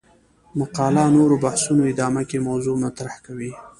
مقاله نورو بحثونو ادامه کې موضوع مطرح کوي.